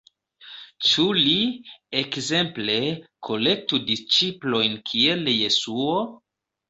Ĉu li, ekzemple, kolektu disĉiplojn kiel Jesuo?